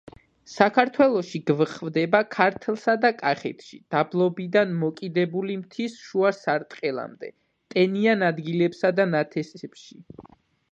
საქართველოში გვხვდება ქართლსა და კახეთში, დაბლობიდან მოკიდებული მთის შუა სარტყლამდე, ტენიან ადგილებსა და ნათესებში.